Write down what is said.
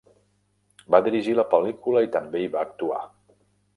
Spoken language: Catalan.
Va dirigir la pel·lícula i també hi va actuar.